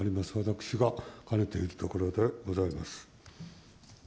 私が兼ねているところでございます。